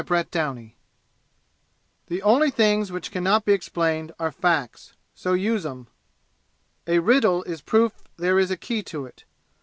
Chapter II The only things which can not be explained are facts. So, use 'em. A riddle is proof there is a key to it.